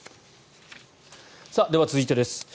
では、続いてです。